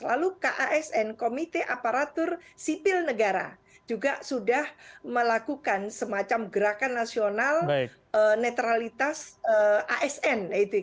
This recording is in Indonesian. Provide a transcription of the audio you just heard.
lalu kasn komite aparatur sipil negara juga sudah melakukan semacam gerakan nasional netralitas asn